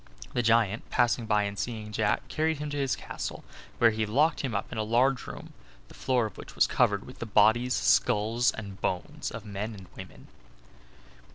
The giant, passing by and seeing Jack, carried him to his castle, where he locked him up in a large room, the floor of which was covered with the bodies, skulls and bones of men and women.